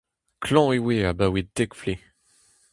Klañv e oa abaoe dek vloaz.